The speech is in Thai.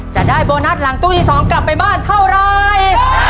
จะได้โบนัสหลังตู้ที่๒กลับไปบ้านเท่าไร